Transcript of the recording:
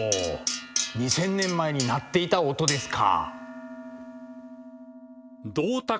２，０００年前に鳴っていた音ですか。